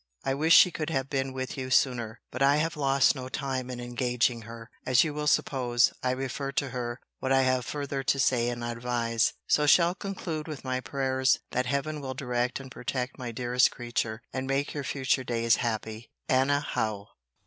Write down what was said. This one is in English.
I wish she could have been with you sooner. But I have lost no time in engaging her, as you will suppose. I refer to her, what I have further to say and advise. So shall conclude with my prayers, that Heaven will direct and protect my dearest creature, and make your future days happy! ANNA HOWE.